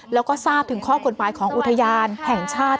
แล้วก็ทราบถึงข้อกฎหมายของอุทยานแห่งชาติ